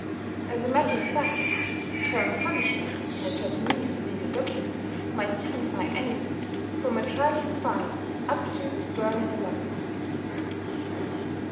As a matter of fact the term "punishment" in a Japanese legal document might, signify anything from a trifling fine up to burning alive....